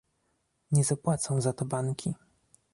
Nie zapłacą za to banki